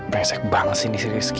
bresek banget sih nih si rizky